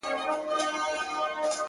له حکمت، مصلحت او پوهي ډکي دي